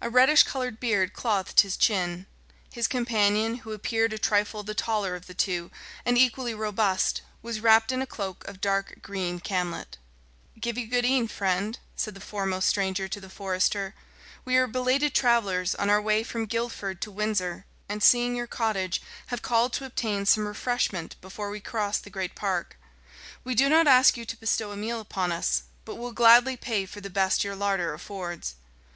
A reddish coloured beard clothed his chin. His companion, who appeared a trifle the taller of the two, and equally robust, was wrapped in a cloak of dark green camlet. "Give you good e'en, friend," said the foremost stranger to the forester. "We are belated travellers, on our way from Guildford to Windsor, and, seeing your cottage, have called to obtain some refreshment before we cross the great park. We do not ask you to bestow a meal upon us, but will gladly pay for the best your larder affords."